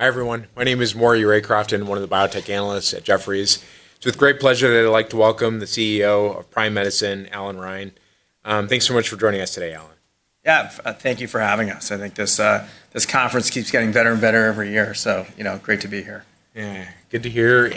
Hi, everyone. My name is Maury Ray Crofton, one of the biotech analysts at Jefferies. It's with great pleasure that I'd like to welcome the CEO of Prime Medicine, Allan Reine. Thanks so much for joining us today, Allan. Yeah, thank you for having us. I think this conference keeps getting better and better every year, so great to be here. Yeah, good to hear. We're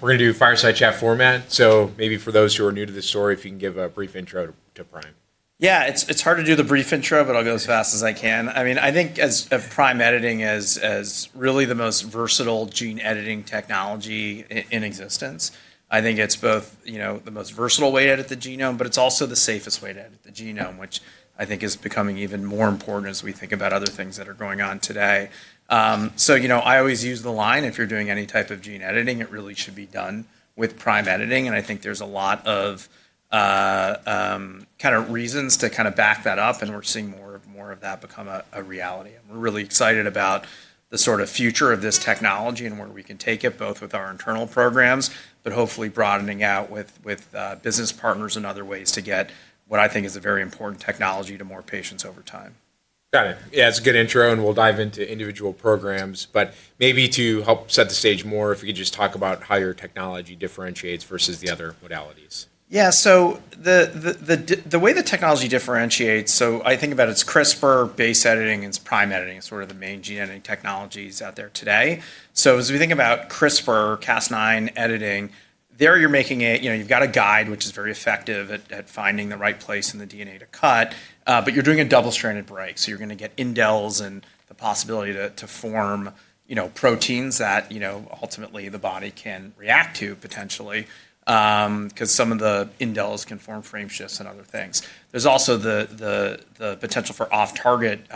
going to do fireside chat format. Maybe for those who are new to the story, if you can give a brief intro to Prime. Yeah, it's hard to do the brief intro, but I'll go as fast as I can. I mean, I think of Prime Editing as really the most versatile gene editing technology in existence. I think it's both the most versatile way to edit the genome, but it's also the safest way to edit the genome, which I think is becoming even more important as we think about other things that are going on today. I always use the line, if you're doing any type of gene editing, it really should be done with Prime Editing. I think there's a lot of kind of reasons to kind of back that up. We're seeing more of that become a reality. We're really excited about the sort of future of this technology and where we can take it, both with our internal programs, but hopefully broadening out with business partners and other ways to get what I think is a very important technology to more patients over time. Got it. Yeah, it's a good intro, and we'll dive into individual programs. Maybe to help set the stage more, if we could just talk about how your technology differentiates versus the other modalities. Yeah, so the way the technology differentiates, so I think about it as CRISPR-based editing and as Prime Editing, sort of the main gene editing technologies out there today. As we think about CRISPR Cas9 editing, there you're making it, you've got a guide, which is very effective at finding the right place in the DNA to cut. You're doing a double-stranded break. You're going to get indels and the possibility to form proteins that ultimately the body can react to, potentially, because some of the indels can form frame shifts and other things. There's also the potential for off-target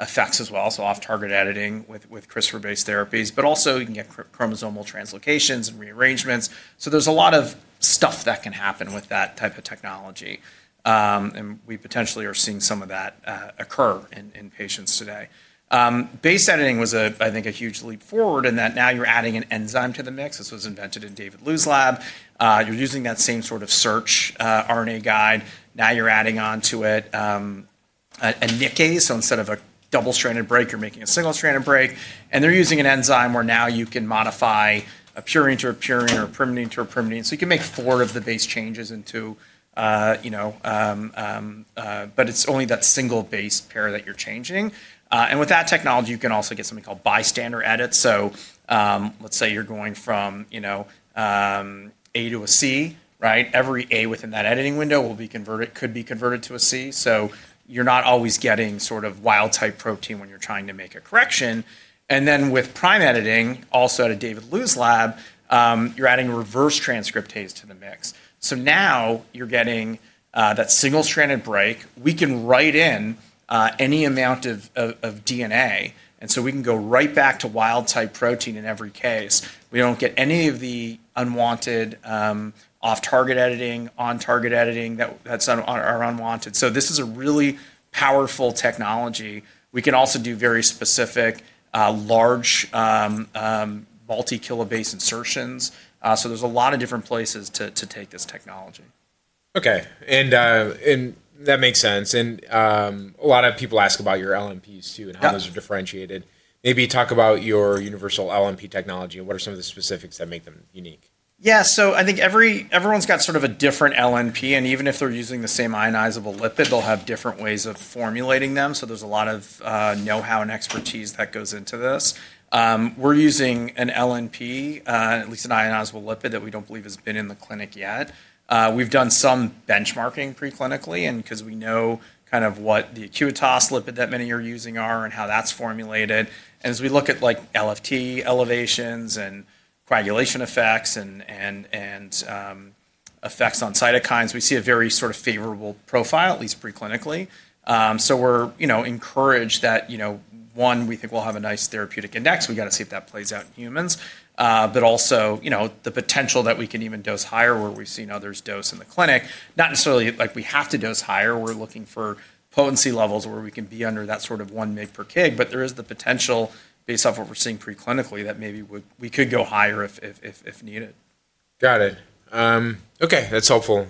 effects as well, so off-target editing with CRISPR-based therapies. Also, you can get chromosomal translocations and rearrangements. There's a lot of stuff that can happen with that type of technology. We potentially are seeing some of that occur in patients today. Base editing was, I think, a huge leap forward in that now you're adding an enzyme to the mix. This was invented in David Liu's lab. You're using that same sort of search RNA guide. Now you're adding onto it a nickase. Instead of a double-stranded break, you're making a single-stranded break. They're using an enzyme where now you can modify a purine to a purine or a pyrimidine to a pyrimidine. You can make four of the base changes, but it's only that single base pair that you're changing. With that technology, you can also get something called bystander edits. Let's say you're going from A to a C. Every A within that editing window could be converted to a C. You're not always getting sort of wild-type protein when you're trying to make a correction. With Prime Editing, also at David Liu's lab, you're adding reverse transcriptase to the mix. Now you're getting that single-stranded break. We can write in any amount of DNA. We can go right back to wild-type protein in every case. We don't get any of the unwanted off-target editing, on-target editing that's unwanted. This is a really powerful technology. We can also do very specific, large multi-kilobase insertions. There are a lot of different places to take this technology. OK, that makes sense. A lot of people ask about your LNPs, too, and how those are differentiated. Maybe talk about your universal LNP technology. What are some of the specifics that make them unique? Yeah, I think everyone's got sort of a different LNP. Even if they're using the same ionizable lipid, they'll have different ways of formulating them. There's a lot of know-how and expertise that goes into this. We're using an LNP, at least an ionizable lipid, that we don't believe has been in the clinic yet. We've done some benchmarking preclinically because we know kind of what the acute toss lipid that many are using is and how that's formulated. As we look at LFT elevations and coagulation effects and effects on cytokines, we see a very sort of favorable profile, at least preclinically. We're encouraged that, one, we think we'll have a nice therapeutic index. We've got to see if that plays out in humans. Also, the potential that we can even dose higher, where we've seen others dose in the clinic, not necessarily like we have to dose higher. We're looking for potency levels where we can be under that sort of 1 mg per kg. There is the potential, based off what we're seeing preclinically, that maybe we could go higher if needed. Got it. OK, that's helpful.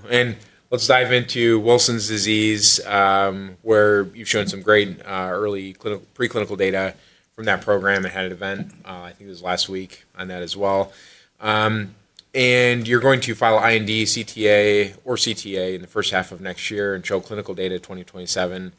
Let's dive into Wilson's disease, where you've shown some great preclinical data from that program. I had an event, I think it was last week, on that as well. You're going to file IND, CTA, or CTA in the first half of next year and show clinical data 2027.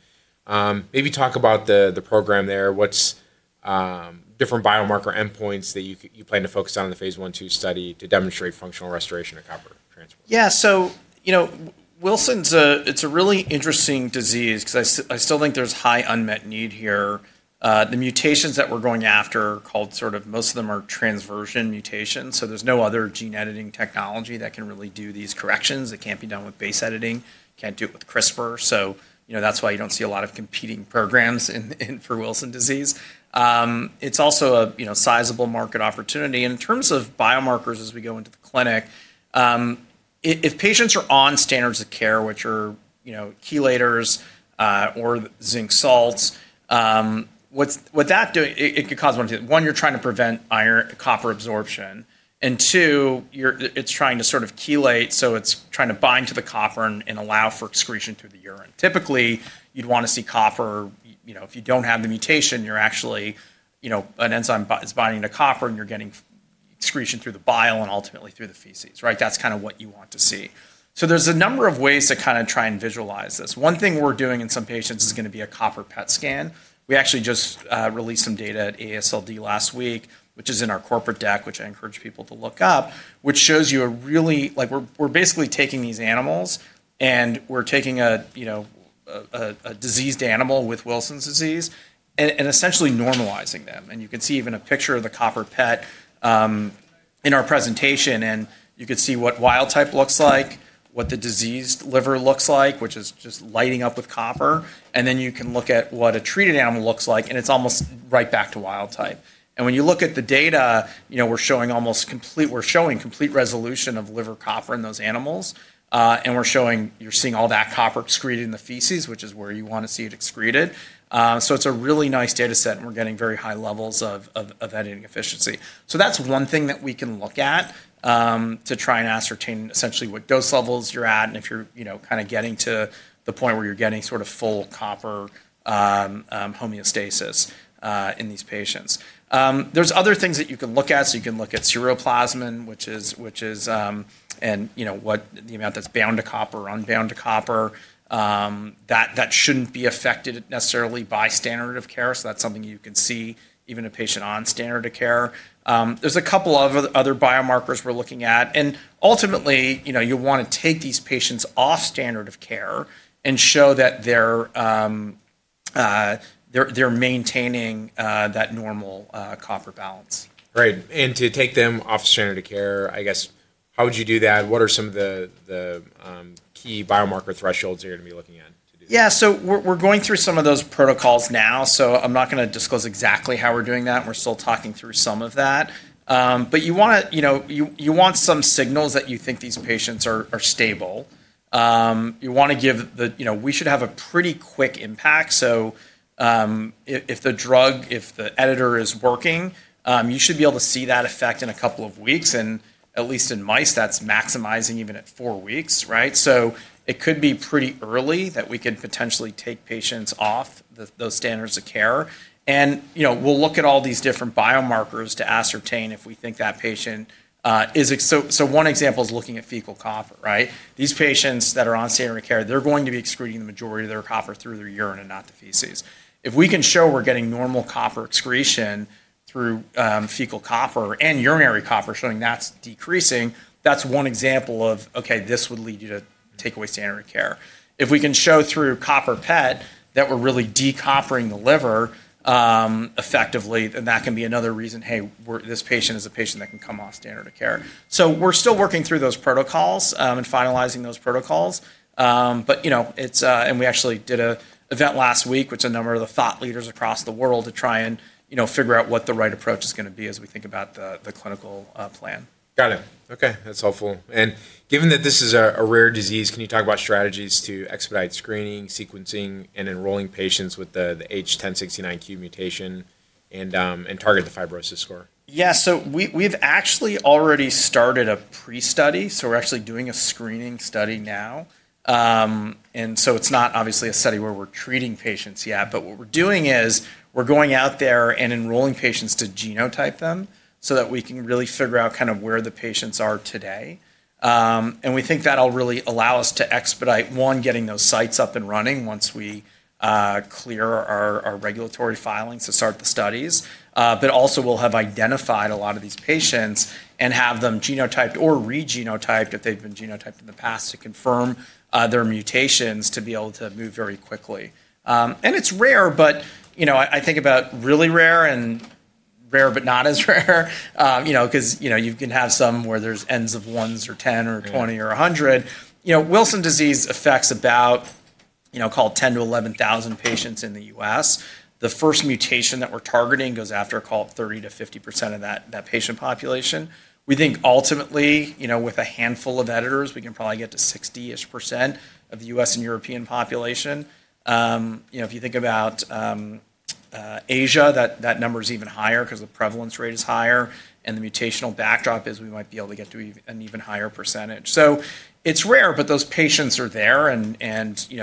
Maybe talk about the program there, different biomarker endpoints that you plan to focus on in the phase I and II study to demonstrate functional restoration of copper transport. Yeah, so it's a really interesting disease because I still think there's high unmet need here. The mutations that we're going after, called sort of most of them are transversion mutations. There's no other gene editing technology that can really do these corrections. It can't be done with base editing. Can't do it with CRISPR. That's why you don't see a lot of competing programs for Wilson's disease. It's also a sizable market opportunity. In terms of biomarkers as we go into the clinic, if patients are on standards of care, which are chelators or zinc salts, what that does, it could cause one thing. One, you're trying to prevent copper absorption. Two, it's trying to sort of chelate. It's trying to bind to the copper and allow for excretion through the urine. Typically, you'd want to see copper. If you don't have the mutation, your enzyme is binding to copper, and you're getting excretion through the bile and ultimately through the feces. That's kind of what you want to see. There are a number of ways to try and visualize this. One thing we're doing in some patients is going to be a copper PET scan. We actually just released some data at AASLD last week, which is in our corporate deck, which I encourage people to look up, which shows you a really—we're basically taking these animals, and we're taking a diseased animal with Wilson's disease and essentially normalizing them. You can see even a picture of the copper PET in our presentation. You can see what wild-type looks like, what the diseased liver looks like, which is just lighting up with copper. You can look at what a treated animal looks like. It's almost right back to wild-type. When you look at the data, we're showing almost complete, we're showing complete resolution of liver copper in those animals. You're seeing all that copper excreted in the feces, which is where you want to see it excreted. It's a really nice data set. We're getting very high levels of editing efficiency. That's one thing that we can look at to try and ascertain essentially what dose levels you're at and if you're kind of getting to the point where you're getting sort of full copper homeostasis in these patients. There are other things that you can look at. You can look at seroplasmin, which is, and what the amount that's bound to copper, unbound to copper. That shouldn't be affected necessarily by standard of care. That's something you can see even a patient on standard of care. There's a couple of other biomarkers we're looking at. Ultimately, you want to take these patients off standard of care and show that they're maintaining that normal copper balance. Right. To take them off standard of care, I guess, how would you do that? What are some of the key biomarker thresholds you're going to be looking at to do that? Yeah, so we're going through some of those protocols now. I'm not going to disclose exactly how we're doing that. We're still talking through some of that. You want some signals that you think these patients are stable. You want to give the we should have a pretty quick impact. If the drug, if the editor is working, you should be able to see that effect in a couple of weeks. At least in mice, that's maximizing even at four weeks. It could be pretty early that we could potentially take patients off those standards of care. We'll look at all these different biomarkers to ascertain if we think that patient is, so one example is looking at fecal copper. These patients that are on standard of care, they're going to be excreting the majority of their copper through their urine and not the feces. If we can show we're getting normal copper excretion through fecal copper and urinary copper showing that's decreasing, that's one example of, OK, this would lead you to take away standard of care. If we can show through copper PET that we're really de-coppering the liver effectively, then that can be another reason, hey, this patient is a patient that can come off standard of care. We are still working through those protocols and finalizing those protocols. We actually did an event last week, which a number of the thought leaders across the world to try and figure out what the right approach is going to be as we think about the clinical plan. Got it. OK, that's helpful. Given that this is a rare disease, can you talk about strategies to expedite screening, sequencing, and enrolling patients with the H1069Q mutation and target the fibrosis score? Yeah, so we've actually already started a pre-study. We're actually doing a screening study now. It's not obviously a study where we're treating patients yet. What we're doing is we're going out there and enrolling patients to genotype them so that we can really figure out kind of where the patients are today. We think that'll really allow us to expedite, one, getting those sites up and running once we clear our regulatory filing to start the studies. Also, we'll have identified a lot of these patients and have them genotyped or regenotyped if they've been genotyped in the past to confirm their mutations to be able to move very quickly. It's rare. I think about really rare and rare but not as rare because you can have some where there's ends of ones or 10 or 20 or 100. Wilson's disease affects about, call it, 10,000-11,000 patients in the U.S. The first mutation that we're targeting goes after, call it, 30%-50% of that patient population. We think ultimately, with a handful of editors, we can probably get to 60%-ish of the U.S. and European population. If you think about Asia, that number is even higher because the prevalence rate is higher. The mutational backdrop is we might be able to get to an even higher percentage. It's rare. Those patients are there.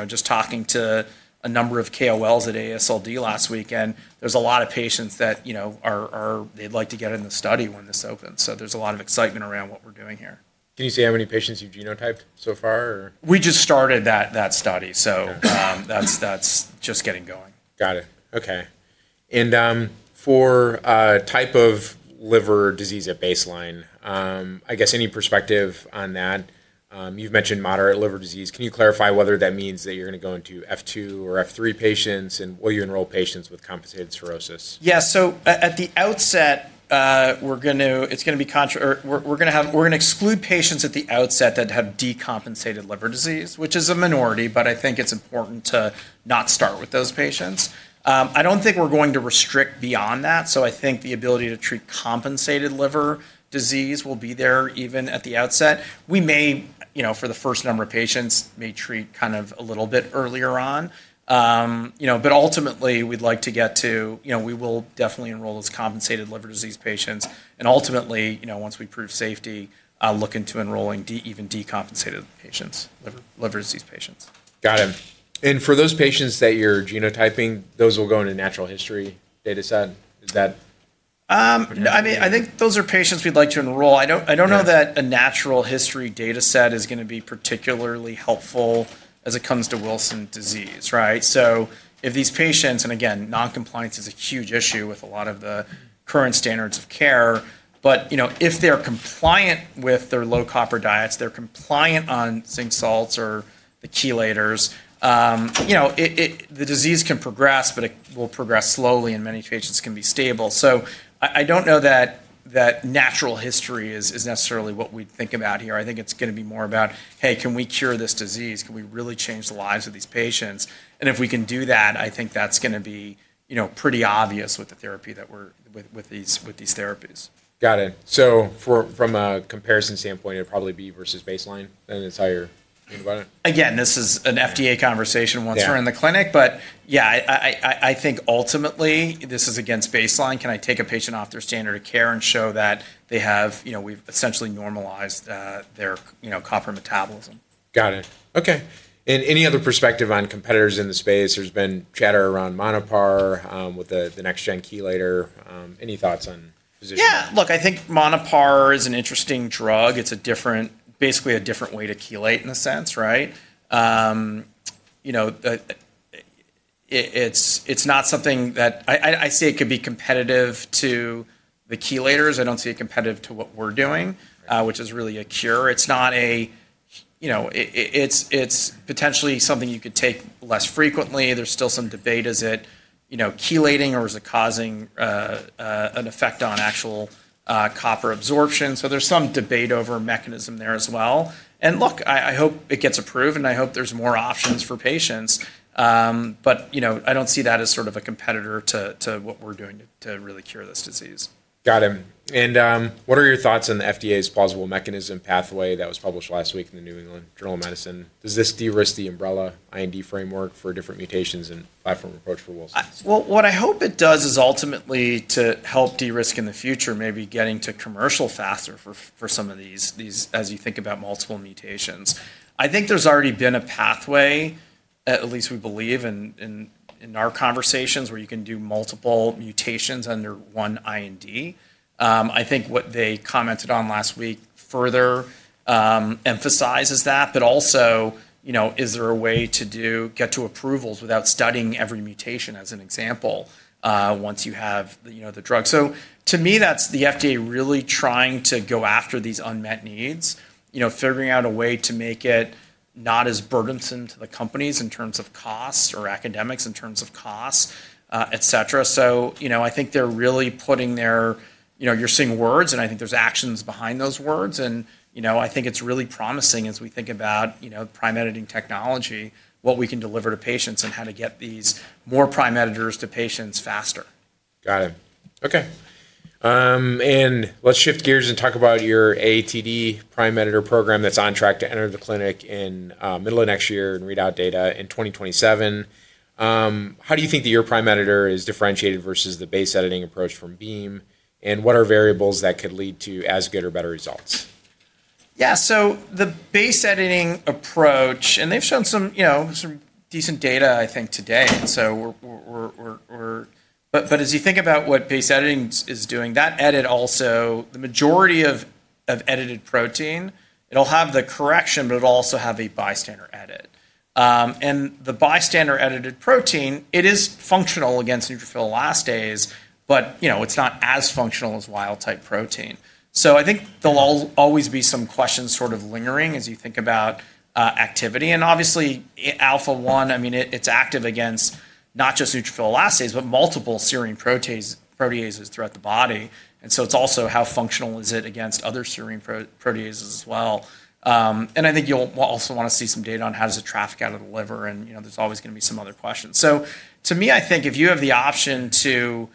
Just talking to a number of KOLs at AASLD last weekend, there's a lot of patients that they'd like to get in the study when this opens. There's a lot of excitement around what we're doing here. Can you say how many patients you've genotyped so far? We just started that study. That is just getting going. Got it. OK. For type of liver disease at baseline, I guess any perspective on that? You've mentioned moderate liver disease. Can you clarify whether that means that you're going to go into F2 or F3 patients? Will you enroll patients with compensated cirrhosis? Yeah, at the outset, we're going to exclude patients at the outset that have decompensated liver disease, which is a minority. I think it's important to not start with those patients. I don't think we're going to restrict beyond that. I think the ability to treat compensated liver disease will be there even at the outset. We may, for the first number of patients, treat kind of a little bit earlier on. Ultimately, we'd like to get to we will definitely enroll those compensated liver disease patients. Ultimately, once we prove safety, look into enrolling even decompensated liver disease patients. Got it. For those patients that you're genotyping, those will go into natural history data set. Is that? I mean, I think those are patients we'd like to enroll. I don't know that a natural history data set is going to be particularly helpful as it comes to Wilson's disease. If these patients, and again, noncompliance is a huge issue with a lot of the current standards of care, but if they're compliant with their low copper diets, they're compliant on zinc salts or the chelators, the disease can progress. It will progress slowly, and many patients can be stable. I don't know that natural history is necessarily what we'd think about here. I think it's going to be more about, hey, can we cure this disease? Can we really change the lives of these patients? If we can do that, I think that's going to be pretty obvious with the therapy that we're, with these therapies. Got it. From a comparison standpoint, it'd probably be versus baseline? That's how you're thinking about it? Again, this is an FDA conversation once we're in the clinic. Yeah, I think ultimately, this is against baseline. Can I take a patient off their standard of care and show that we've essentially normalized their copper metabolism? Got it. OK. Any other perspective on competitors in the space? There's been chatter around Monopar with the next-gen chelator. Any thoughts on physicians? Yeah, look, I think Monopar is an interesting drug. It's basically a different way to chelate in a sense. It's not something that I see it could be competitive to the chelators. I don't see it competitive to what we're doing, which is really a cure. It's not a it's potentially something you could take less frequently. There's still some debate. Is it chelating? Or is it causing an effect on actual copper absorption? There's some debate over mechanism there as well. I hope it gets approved. I hope there's more options for patients. I don't see that as sort of a competitor to what we're doing to really cure this disease. Got it. What are your thoughts on the FDA's plausible mechanism pathway that was published last week in the New England Journal of Medicine? Does this de-risk the umbrella IND framework for different mutations and platform approach for Wilson? What I hope it does is ultimately to help de-risk in the future, maybe getting to commercial faster for some of these as you think about multiple mutations. I think there's already been a pathway, at least we believe in our conversations, where you can do multiple mutations under one IND. I think what they commented on last week further emphasizes that. Also, is there a way to get to approvals without studying every mutation, as an example, once you have the drug? To me, that's the FDA really trying to go after these unmet needs, figuring out a way to make it not as burdensome to the companies in terms of costs or academics in terms of costs, et cetera. I think they're really putting their words, and I think there's actions behind those words. I think it's really promising as we think about Prime Editing technology, what we can deliver to patients and how to get these more Prime Editors to patients faster. Got it. OK. Let's shift gears and talk about your AATD prime editor program that's on track to enter the clinic in the middle of next year and read out data in 2027. How do you think that your prime editor is differentiated versus the base editing approach from Beam? What are variables that could lead to as good or better results? Yeah, so the base editing approach and they've shown some decent data, I think, today. As you think about what base editing is doing, that edit also, the majority of edited protein, it'll have the correction. It'll also have a bystander edit. The bystander edited protein, it is functional against neutrophil elastase. It's not as functional as wild-type protein. I think there'll always be some questions sort of lingering as you think about activity. Obviously, alpha-1, I mean, it's active against not just neutrophil elastase, but multiple serine proteases throughout the body. It's also how functional is it against other serine proteases as well. I think you'll also want to see some data on how does it traffic out of the liver. There's always going to be some other questions. To me, I think if you have the option to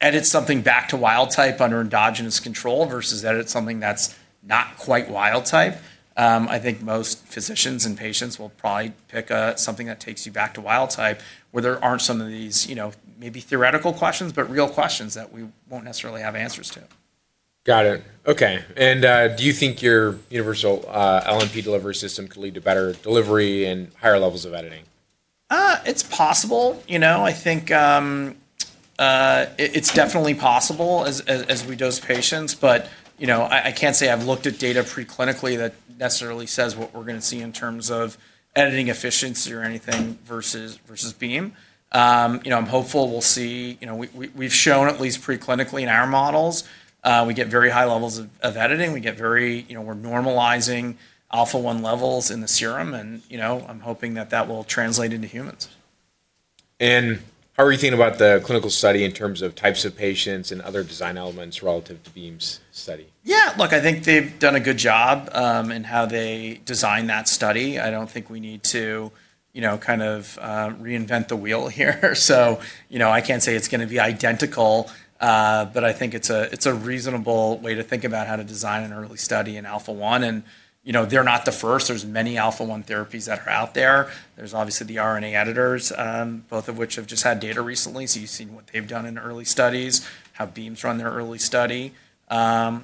edit something back to wild-type under endogenous control versus edit something that's not quite wild-type, I think most physicians and patients will probably pick something that takes you back to wild-type where there aren't some of these maybe theoretical questions, but real questions that we won't necessarily have answers to. Got it. OK. Do you think your universal LNP delivery system could lead to better delivery and higher levels of editing? It's possible. I think it's definitely possible as we dose patients. I can't say I've looked at data preclinically that necessarily says what we're going to see in terms of editing efficiency or anything versus Beam. I'm hopeful we'll see we've shown at least preclinically in our models, we get very high levels of editing. We're normalizing alpha-1 levels in the serum. I'm hoping that that will translate into humans. How are you thinking about the clinical study in terms of types of patients and other design elements relative to Beam's study? Yeah, look, I think they've done a good job in how they designed that study. I don't think we need to kind of reinvent the wheel here. I can't say it's going to be identical. I think it's a reasonable way to think about how to design an early study in alpha-1. They're not the first. There are many alpha-1 therapies that are out there. There's obviously the RNA editors, both of which have just had data recently. You've seen what they've done in early studies, how Beam's run their early study. I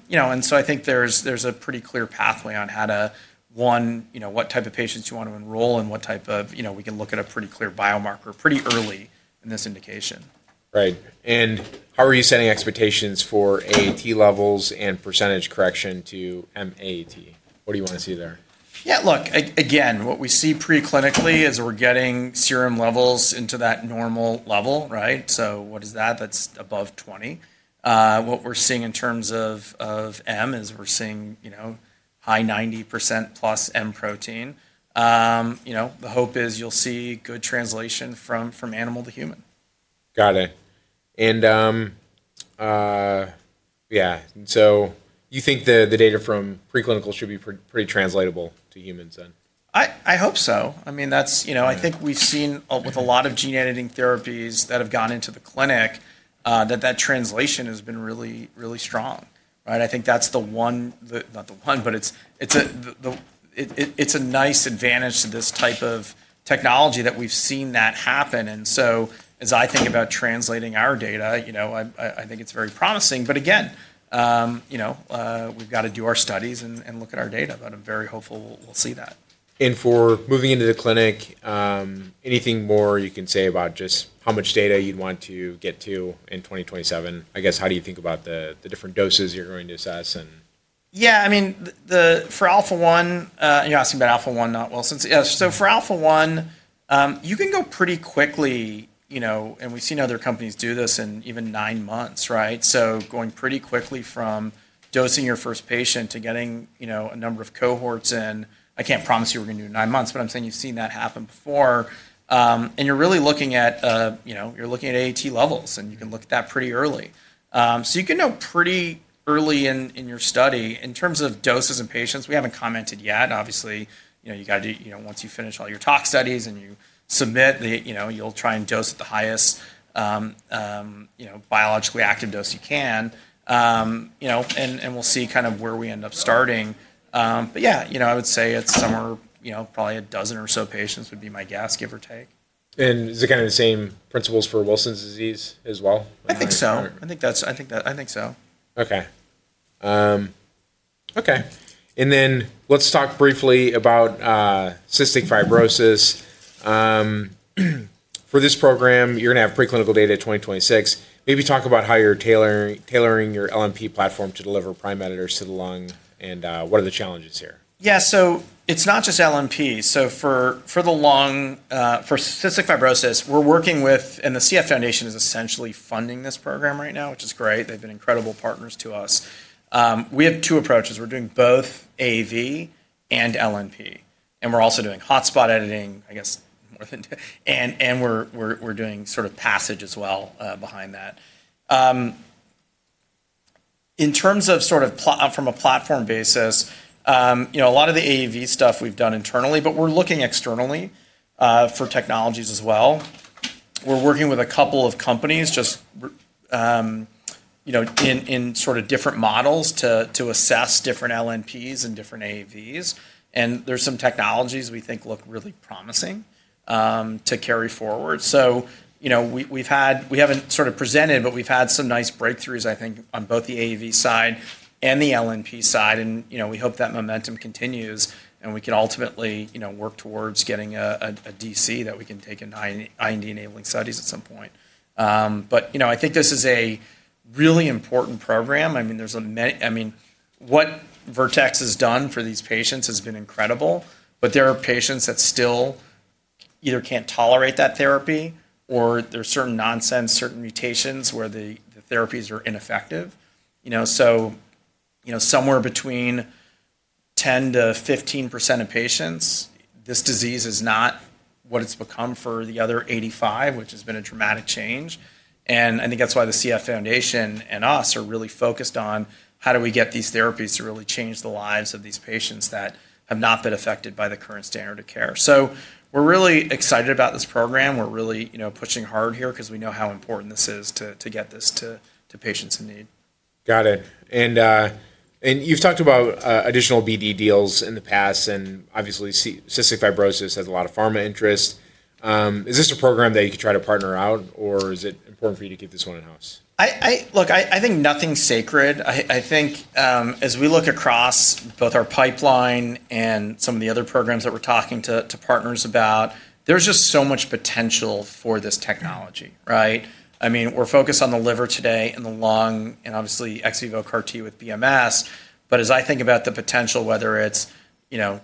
think there's a pretty clear pathway on how to, one, what type of patients you want to enroll and what type of, we can look at a pretty clear biomarker pretty early in this indication. Right. How are you setting expectations for AAT levels and percentage correction to MAAT? What do you want to see there? Yeah, look, again, what we see preclinically is we're getting serum levels into that normal level. So what is that? That's above 20. What we're seeing in terms of M is we're seeing high 90%+ M protein. The hope is you'll see good translation from animal to human. Got it. Yeah, so you think the data from preclinical should be pretty translatable to humans then? I hope so. I mean, I think we've seen with a lot of gene editing therapies that have gone into the clinic that that translation has been really, really strong. I think that's the one, not the one, but it's a nice advantage to this type of technology that we've seen that happen. As I think about translating our data, I think it's very promising. Again, we've got to do our studies and look at our data. I'm very hopeful we'll see that. For moving into the clinic, anything more you can say about just how much data you'd want to get to in 2027? I guess how do you think about the different doses you're going to assess? Yeah, I mean, for alpha-1, you're asking about alpha-1, not Wilson. For alpha-1, you can go pretty quickly. We've seen other companies do this in even nine months. Going pretty quickly from dosing your first patient to getting a number of cohorts in, I can't promise you we're going to do nine months. I'm saying you've seen that happen before. You're really looking at AAT levels, and you can look at that pretty early. You can know pretty early in your study. In terms of doses and patients, we haven't commented yet. Obviously, once you finish all your tox studies and you submit, you'll try and dose at the highest biologically active dose you can. We'll see kind of where we end up starting. Yeah, I would say it's somewhere probably a dozen or so patients would be my guess, give or take. Is it kind of the same principles for Wilson's disease as well? I think so. OK. OK. Let's talk briefly about cystic fibrosis. For this program, you're going to have preclinical data 2026. Maybe talk about how you're tailoring your LNP platform to deliver Prime Editors to the lung. What are the challenges here? Yeah, so it's not just LNP. For the lung for cystic fibrosis, we're working with and the Cystic Fibrosis Foundation is essentially funding this program right now, which is great. They've been incredible partners to us. We have two approaches. We're doing both AAV and LNP. We're also doing hotspot editing, I guess, more than, and we're doing sort of passage as well behind that. In terms of sort of from a platform basis, a lot of the AAV stuff we've done internally. We're looking externally for technologies as well. We're working with a couple of companies just in sort of different models to assess different LNPs and different AAVs. There are some technologies we think look really promising to carry forward. We haven't sort of presented, but we've had some nice breakthroughs, I think, on both the AAV side and the LNP side. We hope that momentum continues. We can ultimately work towards getting a DC that we can take in IND enabling studies at some point. I think this is a really important program. I mean, what Vertex has done for these patients has been incredible. There are patients that still either can't tolerate that therapy or there are certain nonsense, certain mutations where the therapies are ineffective. Somewhere between 10%-15% of patients, this disease is not what it's become for the other 85%, which has been a dramatic change. I think that's why the CF Foundation and us are really focused on how do we get these therapies to really change the lives of these patients that have not been affected by the current standard of care. We're really excited about this program. We're really pushing hard here because we know how important this is to get this to patients in need. Got it. You have talked about additional BD deals in the past. Obviously, cystic fibrosis has a lot of pharma interest. Is this a program that you could try to partner out? Is it important for you to keep this one in-house? Look, I think nothing's sacred. I think as we look across both our pipeline and some of the other programs that we're talking to partners about, there's just so much potential for this technology. I mean, we're focused on the liver today and the lung and obviously ex vivo CAR-T with BMS. As I think about the potential, whether it's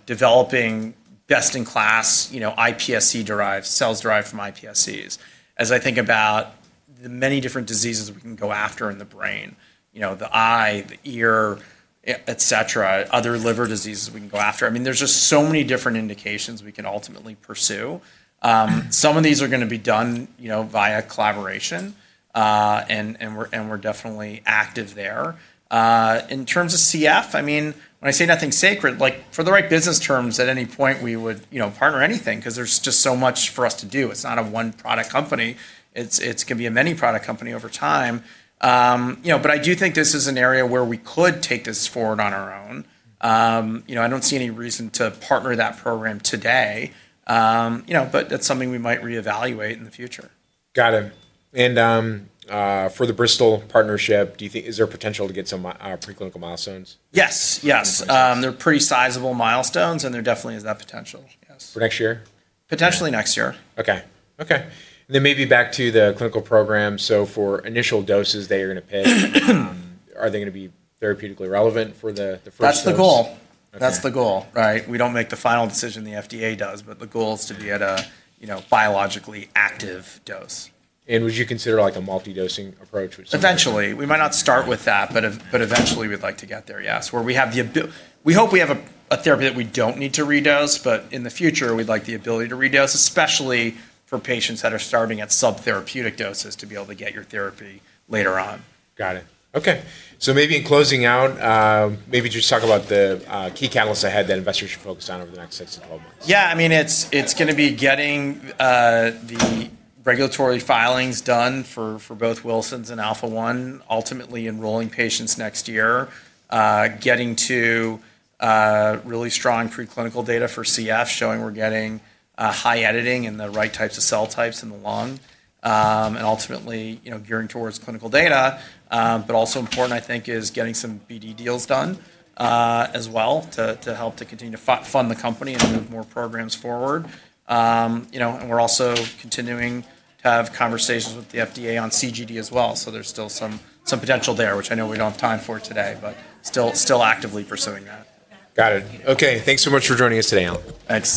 developing best-in-class iPSC-derived, cells derived from iPSCs, as I think about the many different diseases we can go after in the brain, the eye, the ear, et cetera, other liver diseases we can go after, I mean, there's just so many different indications we can ultimately pursue. Some of these are going to be done via collaboration. We're definitely active there. In terms of CF, I mean, when I say nothing's sacred, for the right business terms, at any point, we would partner anything because there's just so much for us to do. It's not a one-product company. It's going to be a many-product company over time. I do think this is an area where we could take this forward on our own. I don't see any reason to partner that program today. That's something we might reevaluate in the future. Got it. For the Bristol partnership, do you think is there a potential to get some preclinical milestones? Yes, yes. They're pretty sizable milestones. There definitely is that potential, yes. For next year? Potentially next year. OK. OK. Maybe back to the clinical program. For initial doses they are going to pick, are they going to be therapeutically relevant for the first? That's the goal. We don't make the final decision, the FDA does. The goal is to be at a biologically active dose. Would you consider a multidosing approach? Eventually. We might not start with that. Eventually, we'd like to get there, yes, where we hope we have a therapy that we don't need to redose. In the future, we'd like the ability to redose, especially for patients that are starting at subtherapeutic doses to be able to get your therapy later on. Got it. OK. So maybe in closing out, maybe just talk about the key catalysts ahead that investors should focus on over the next 6-12 months. Yeah, I mean, it's going to be getting the regulatory filings done for both Wilson's and alpha-1, ultimately enrolling patients next year, getting to really strong preclinical data for CF showing we're getting high editing and the right types of cell types in the lung, and ultimately gearing towards clinical data. Also important, I think, is getting some BD deals done as well to help to continue to fund the company and move more programs forward. We're also continuing to have conversations with the FDA on CGD as well. There's still some potential there, which I know we don't have time for today. Still actively pursuing that. Got it. OK. Thanks so much for joining us today, Allan. Thanks.